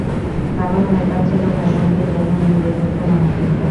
বাবা ভয় পাচ্ছিল ভাই-বোনদের জন্য আমি বিয়ে করতে মানা করব।